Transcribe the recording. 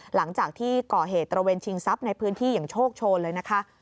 หลังจากที่ก่อเหตุตระเวนชิงทรัพย์ในพื้นที่อย่างโชคโชนเลยนะคะ